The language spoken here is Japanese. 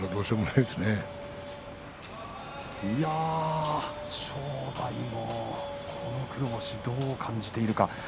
いや正代もこの黒星、どう感じているか。